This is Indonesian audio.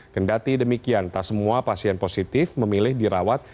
kendati demikian tak semua pasien positif memilih dirawat